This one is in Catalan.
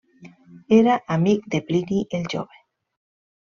Era amic de Plini el Jove.